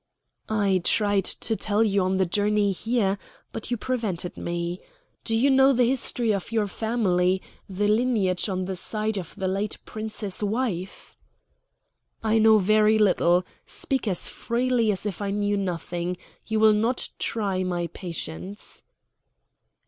"I tried to tell you on the journey here, but you prevented me. Do you know the history of your family the lineage on the side of the late Prince's wife?" "I know very little. Speak as freely as if I knew nothing. You will not try my patience."